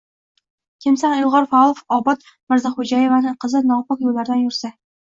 — Kimsan, ilg‘or faol Obod Mirzaxo‘jaevani qizi nopok yo‘llardan yursa.